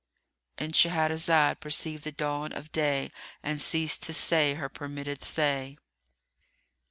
——And Shahrazad perceived the dawn of day and ceased to say her permitted say.